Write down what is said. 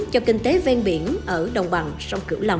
cho kinh tế ven biển ở đồng bằng sông cửu long